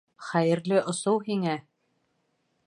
Хәйерле осоу һиңә!